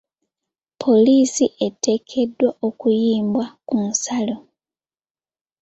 poliisi eteekeedwa okuyiibwa ku nsalo.